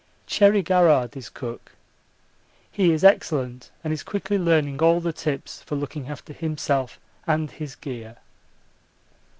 Cherry Garrard is cook. He is excellent, and is quickly learning all the tips for looking after himself and his gear.